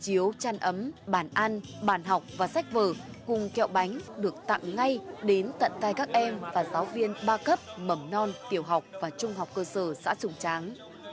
chiếu chăn ấm bàn ăn bàn học và sách vở cùng kẹo bánh được tặng ngay đến tận tay các em và giáo viên ba cấp mầm non tiểu học và trung học cơ sở xã sùng tráng